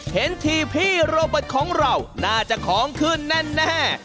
เห็นทีพี่โรเบิร์ตของเราน่าจะของขึ้นแน่